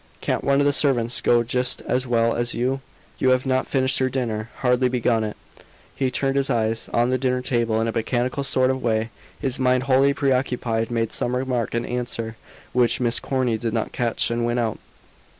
"Can't one of the servants go just as well as you? You have not finished your dinner; hardly begun it." He turned his eyes on the dinner table in a mechanical sort of way, his mind wholly preoccupied, made some remark in answer, which Miss Corny did not catch, and went out.